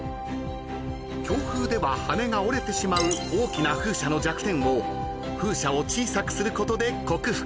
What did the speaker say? ［強風では羽根が折れてしまう大きな風車の弱点を風車を小さくすることで克服］